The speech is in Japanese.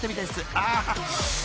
あ！あ］